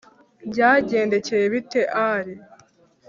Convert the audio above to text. byagendekeye bite alī?